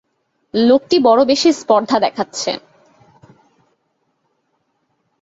লোকটি বড় বেশি স্পর্ধা দেখাচ্ছে।